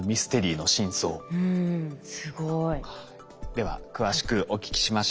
では詳しくお聞きしましょう。